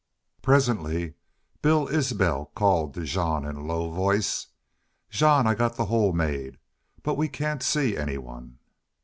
Presently Bill Isbel called Jean in a low voice. "Jean, I got the hole made, but we can't see anyone."